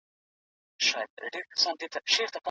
که المارۍ وي نو سامان نه ورکیږي.